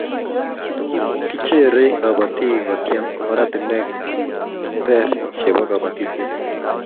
Kicherei kobotik kotiem oratinwek ter chebo kobotisiet